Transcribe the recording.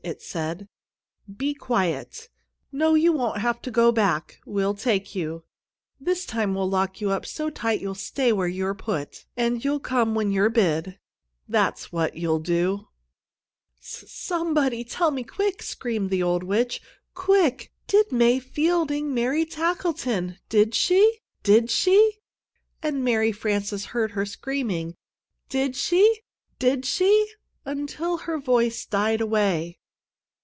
it said. "Be quiet! No, you won't have to go back. We'll take you. This time we'll lock you up so tight you'll stay where you're put, and you'll come when you're bid. That's what you'll do!" "S somebody tell me quick!" screamed the old witch. "Quick! Did May Fielding marry Tackleton? Did she? Did she?" and Mary Frances heard her screaming, "Did she? Did she?" until her voice died away.